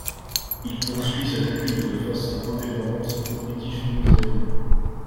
Il poursuit ses études de façon indépendante au British Museum.